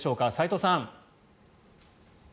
齋藤さん。